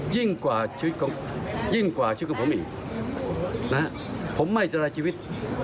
ยิ่งกว่าชีวิตของผมอีกผมไม่จะรักชีวิต